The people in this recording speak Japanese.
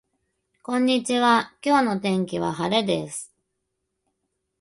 こんにちは今日の天気は晴れです